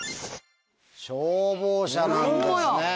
消防車なんですね。